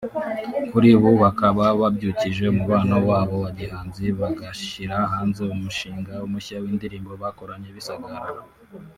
Kuri ubu bakaba babyukije umubano wabo wa gihanzi bagashyira hanze umushinga mushya w’indirimbo bakoranye bise 'Agahararo'